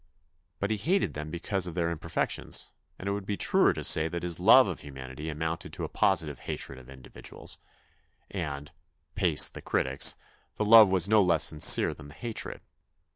But he hated them because of their imperfections, and it would be truer to say that his love of humanity amounted to a positive hatred of THE BIOGRAPHY OF A SUPERMAN 229 individuals, and, pace the critics, the love was no less sincere than the hatred.